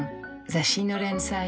雑誌の連載